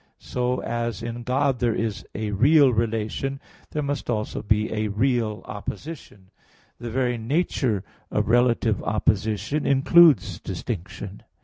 So as in God there is a real relation (A. 1), there must also be a real opposition. The very nature of relative opposition includes distinction.